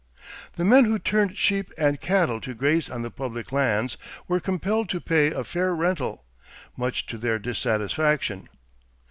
The men who turned sheep and cattle to graze on the public lands were compelled to pay a fair rental, much to their dissatisfaction.